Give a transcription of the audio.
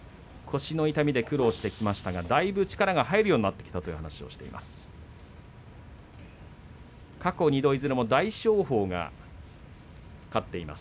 腰の痛みで苦労をしてきましたがだいぶ力が入るようになってきたという話をしています。